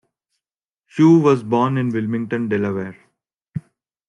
Shue was born in Wilmington, Delaware.